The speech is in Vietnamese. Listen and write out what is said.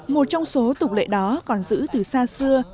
một trong số tục lệ đó còn giữ từ xa xưa